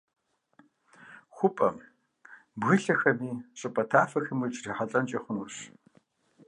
ХъупӀэм бгылъэхэми щӀыпӀэ тафэхэми ущрихьэлӀэнкӀэ хъунущ.